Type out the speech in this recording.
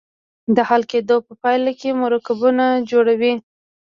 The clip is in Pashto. د حل کیدو په پایله کې مرکبونه جوړوي.